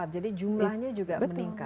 jadi jumlahnya juga meningkat